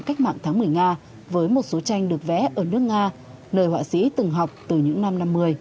cách mạng tháng một mươi nga với một số tranh được vẽ ở nước nga nơi họa sĩ từng học từ những năm năm mươi